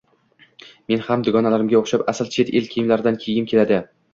Men ham dugonalarimga o`xshab asl chet el kiyimlaridan kiygim keladi